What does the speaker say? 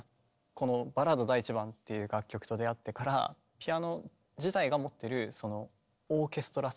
この「バラード第１番」っていう楽曲と出会ってからピアノ自体が持ってるそのオーケストラ性？